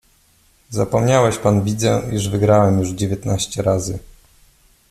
"Zapomniałeś pan widzę, iż wygrałem już dziewiętnaście razy!"